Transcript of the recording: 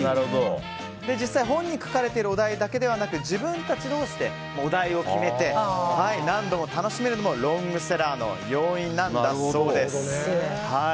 実際、本に書かれているお題だけではなく自分たち同士でお題を決めて何度も楽しめるのもロングセラーの要因なんだそうです。